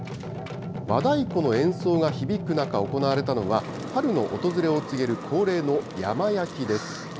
和太鼓の演奏が響く中、行われたのは、春の訪れを告げる恒例の山焼きです。